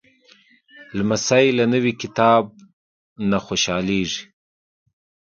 لمسی له نوي کتاب نه خوشحالېږي.